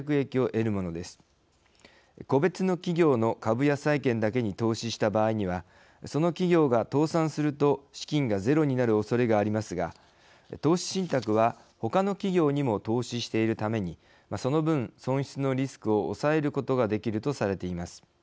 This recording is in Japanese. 個別の企業の株や債券だけに投資した場合にはその企業が倒産すると資金がゼロになるおそれがありますが投資信託はほかの企業にも投資しているためにその分損失のリスクを抑えることができるとされています。